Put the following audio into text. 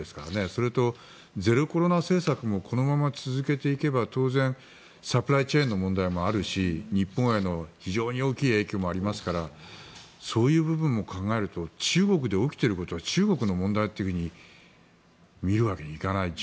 それとゼロコロナ政策もこのまま続けていけば当然サプライチェーンの問題もあるし日本への非常に大きい影響もありますからそういう部分も考えると中国で起きていることは中国の問題というふうに見るわけにはいかない。